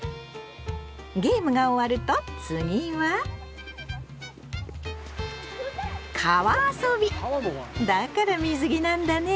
ゲームが終わると次はだから水着なんだね！